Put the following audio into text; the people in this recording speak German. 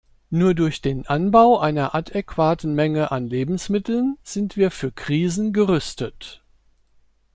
Nur durch den Anbau einer adäquaten Menge an Lebensmitteln sind wir für Krisen gerüstet.